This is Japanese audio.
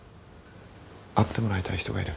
会ってもらいたい人がいる。